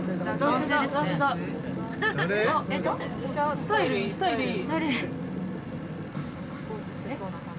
スタイルいい、スタイルいい。